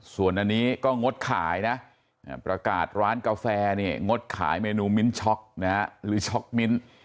ส่วนอันนี้ก็งดขายนะประกาศร้านกาแฟเนี่ยงดขายเมนูมิ้นช็อกนะฮะหรือช็อกมิ้น